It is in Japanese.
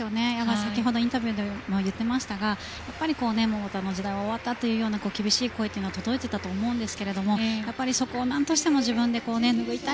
先ほどインタビューでも言っていましたがやっぱり桃田の時代は終わったという厳しい声は届いていたと思うんですがそこを何としても自分で拭いたい。